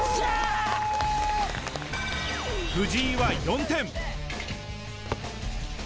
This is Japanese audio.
藤井は４点。